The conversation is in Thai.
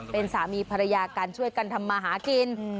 เป็นสามีภรรยากันช่วยกันทำมาหากิน